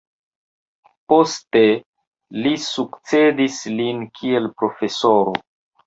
Poste li sukcedis lin kiel profesoro.